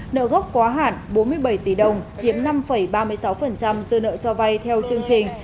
nợ gốc quá hạn bốn mươi bảy tỷ đồng chiếm năm ba mươi sáu dư nợ cho vay theo chương trình